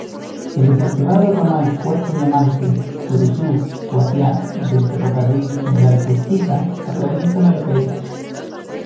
El desactivado ramal Puerto Diamante-Curuzú Cuatiá del Ferrocarril General Urquiza atraviesa la localidad.